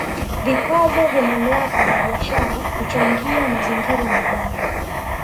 Vikwazo vya mamlaka za biashara kuchangia mazingira mabaya